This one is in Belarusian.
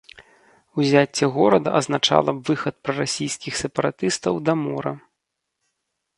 Узяцце горада азначала б выхад прарасійскіх сепаратыстаў да мора.